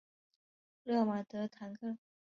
勒马德唐克。